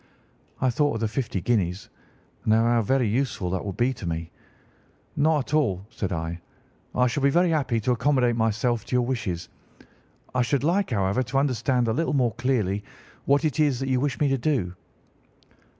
"I thought of the fifty guineas, and of how very useful they would be to me. 'Not at all,' said I, 'I shall be very happy to accommodate myself to your wishes. I should like, however, to understand a little more clearly what it is that you wish me to do.